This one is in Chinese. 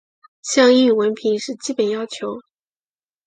像英语文凭是基本要求。